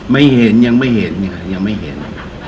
ไม่เห็นยังไม่เห็นเนี่ยยังไม่เห็น